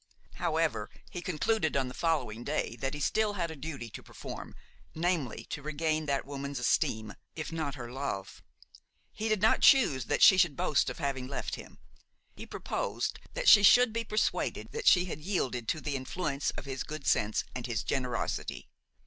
However, he concluded on the following day that he still had a duty to perform, namely, to regain that woman's esteem, if not her love. He did not choose that she should boast of having left him; he proposed that she should be persuaded that she had yielded to the influence of his good sense and his generosity.